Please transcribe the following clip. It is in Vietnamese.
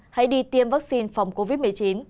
hãy đi tiêm vaccine phòng covid một mươi chín